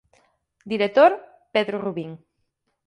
Director: Pedro Rubín